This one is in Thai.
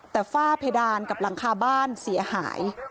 แต่ฝ้าเพดานกับหลังคาบ้านเสียหาย